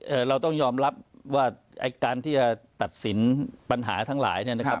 เราต้องยอมรับว่าไอ้การที่จะตัดสินปัญหาทั้งหลายเนี่ยนะครับ